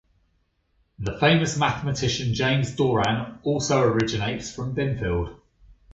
The famous mathematician James Doran also originates from Binfield.